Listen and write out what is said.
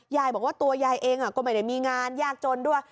ยายบอกว่าตัวยายเองก็ไม่ได้มีงานยากจนด้วย